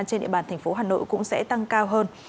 trên địa bàn thành phố hà nội cũng sẽ tăng cao hơn